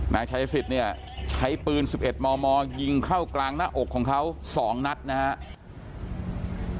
นายชายศิษฐ์เนี่ยใช้ปืนสิบเอ็ดมมยิงเข้ากลางหน้าอกของเขาสองนัดนะครับ